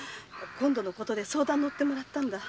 今度のことで相談に乗ってもらったんだ。